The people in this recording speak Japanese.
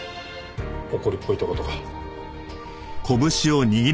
怒りっぽいとことか。